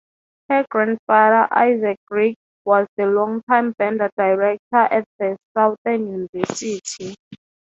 Her grandfather, Isaac Greggs, was the longtime band director at Southern University.